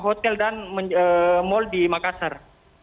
hotel dan mal di makassar